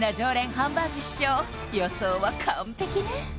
ハンバーグ師匠予想は完璧ね